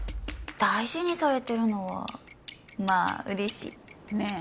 大事にされてるのはまあ嬉しいねえ